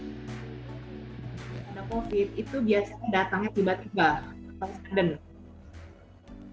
pada covid sembilan belas itu biasanya datangnya tiba tiba